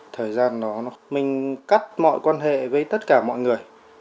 thời gian đó mình cắt mọi quan hệ với tất cả mọi người